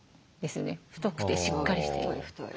太くてしっかりしている。